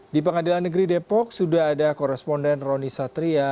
di pengadilan negeri depok sudah ada koresponden roni satria